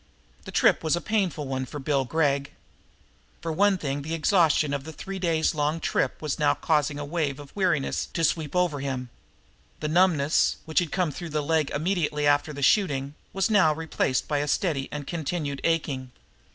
The trip in was a painful one for Bill Gregg. For one thing the exhaustion of the long three days' trip was now causing a wave of weariness to sweep over him. The numbness, which had come through the leg immediately after the shooting, was now replaced by a steady and continued aching.